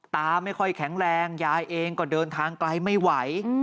ตาไม่ค่อยแข็งแรงยายเองก็เดินทางไกลไม่ไหว